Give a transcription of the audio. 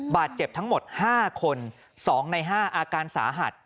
บาดเจ็บทั้งหมด๕คน๒ใน๕อาการสาหัส